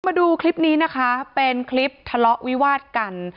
มาดูคลิปนี้นะคะเป็นคลิปทะเลาะวิวาดกัน